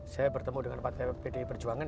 saya bertemu dengan partai pdi perjuangan